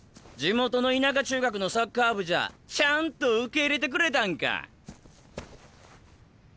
地元の田舎中学のサッカー部じゃちゃんと受け入れてくれたんか。